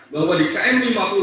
bahwa di km lima puluh delapan